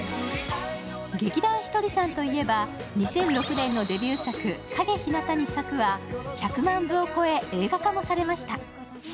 劇団ひとりさんといえば、２００６年のデビュー作「陰日向に咲く」は１００万部を超え、映画化もされました。